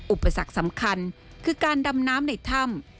อุปสรรคสำคัญคือการดำน้ำในถ้ำ